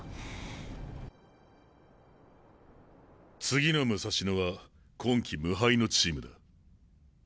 次の武蔵野は今季無敗のチームだ。